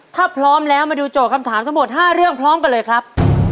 ถ้าพร้อมแล้วมาดูโจทย์คำถามทั้งหมด๕เรื่องพร้อมกันเลยครับ